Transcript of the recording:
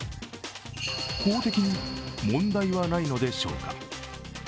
法的に問題はないのでしょうか。